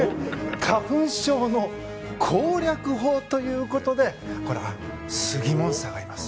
花粉症の攻略法ということでスギモンスターがいます。